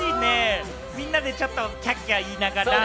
みんなでキャッキャ言いながら。